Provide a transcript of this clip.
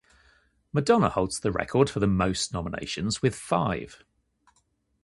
Madonna holds the record for the most nominations, with five.